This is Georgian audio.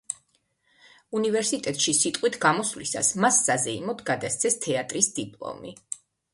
უნივერსიტეტში სიტყვით გამოსვლისას მას საზეიმოდ გადასცეს თეატრის დიპლომი.